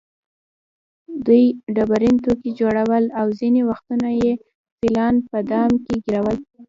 دوی ډبرین توکي جوړول او ځینې وختونه یې فیلان په دام کې ګېرول.